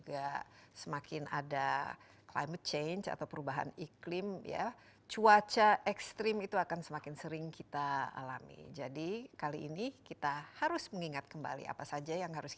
akan terjadi di bulan